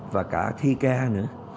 và cả thi ca nữa